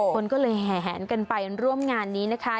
คนก็เลยแหนกันไปร่วมงานนี้นะคะ